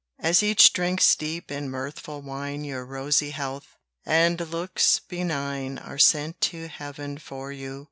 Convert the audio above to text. As each drinks deep in mirthful wine Your rosy health, and looks benign Are sent to heaven for you.